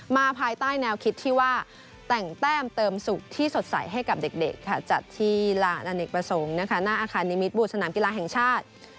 ภายใต้แนวคิดที่ว่าแต่งแต้มเติมสุขที่สดใสให้กับเด็กค่ะจัดที่ลานอเนกประสงค์หน้าอาคารนิมิตบูสนามกีฬาแห่งชาติ